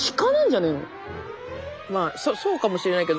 まあそうかもしれないけど。